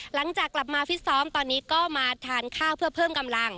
หลังจากกลับมาฟิตซ้อมตอนนี้ก็มาทานข้าวเพื่อเพิ่มกำลัง